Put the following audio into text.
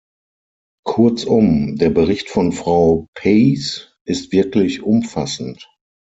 Kurzum, der Bericht von Frau Peijs ist wirklich umfassend.